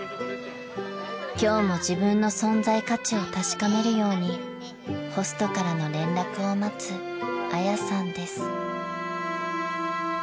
［今日も自分の存在価値を確かめるようにホストからの連絡を待つあやさんです］